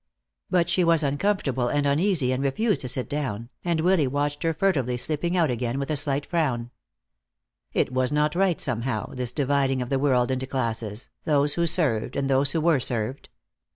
But she was uncomfortable and uneasy and refused to sit down, and Willy watched her furtively slipping out again with a slight frown. It was not right, somehow, this dividing of the world into classes, those who served and those who were served.